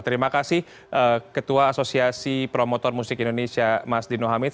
terima kasih ketua asosiasi promotor musik indonesia mas dino hamid